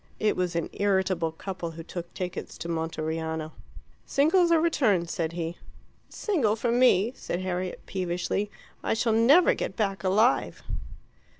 It was an irritable couple who took tickets to Monteriano. "Singles or returns?" said he. "A single for me," said Harriet peevishly; "I shall never get back alive."